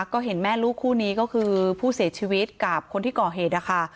ก็เห็นแม่ลูกคู่นี้ก็คือผู้เสียชีวิตกับคนที่ก่อเหตุนะคะ